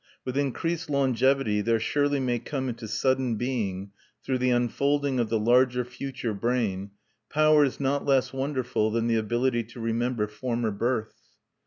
With increased longevity there surely may come into sudden being, through the unfolding of the larger future brain, powers not less wonderful than the ability to remember former births.